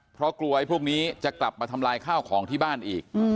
เพราะกลัวไอ้พวกนี้จะกลับมาทำลายข้าวของที่บ้านอีก